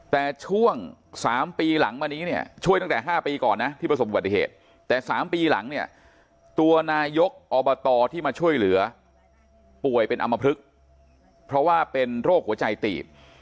แต่ช่วง๓ปีหลังมานี้เนี่ยช่วยตั้งแต่๕ปีก่อนนะที่ประสบอุบัติเหตุแต่๓ปีหลังเนี่ยตัวนายกอบตที่มาช่วยเหลือป่วยเป็นอำมพลึกเพราะว่าเป็นโรคหัวใจตีบ